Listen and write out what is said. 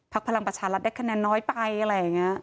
พลังประชารัฐได้คะแนนน้อยไปอะไรอย่างนี้